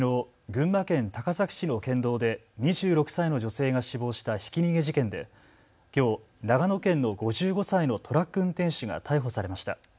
群馬県高崎市の県道で２６歳の女性が死亡したひき逃げ事件できょう長野県の５５歳のトラック運転手が逮捕されました。